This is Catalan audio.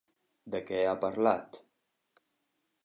De què ha parlat?